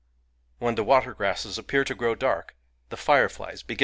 When the water grasses appear to grow dark, the fireflies begin to fty.